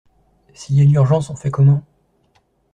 S’il y a une urgence, on fait comment?